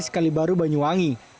sekali baru banyuwangi